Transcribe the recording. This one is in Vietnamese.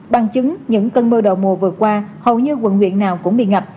bằng chứng những cơn mưa đầu mùa vừa qua hầu như quận huyện nào cũng bị ngập